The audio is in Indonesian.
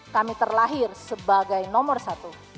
kami terlahir sebagai nomor satu